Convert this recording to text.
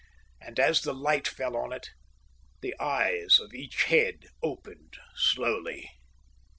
And as the light fell on it, the eyes of each head opened slowly.